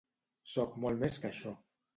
Soc molt més que això.